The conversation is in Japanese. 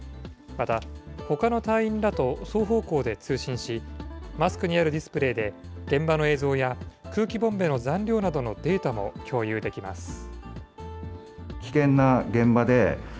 また、ほかの隊員らと双方向で通信し、マスクにあるディスプレーで、現場の映像や空気ボンベの残量などのデータも共有できます。